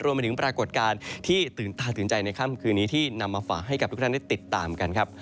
มาถึงปรากฏการณ์ที่ตื่นตาตื่นใจในค่ำคืนนี้ที่นำมาฝากให้กับทุกท่านได้ติดตามกันครับ